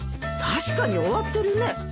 確かに終わってるね。